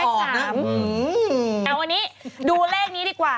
เอาวันนี้ดูเลขนี้ดีกว่า